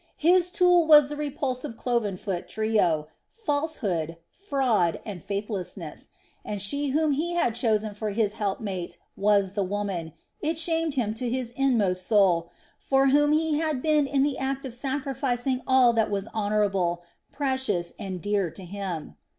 His tool was the repulsive cloven footed trio, falsehood, fraud, and faithlessness, and she whom he had chosen for his help mate was the woman it shamed him to his inmost soul for whom he had been in the act of sacrificing all that was honorable, precious, and dear to him.